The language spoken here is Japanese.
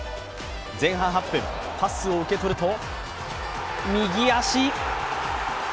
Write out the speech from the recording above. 前半８分、パスを受け取ると、右足。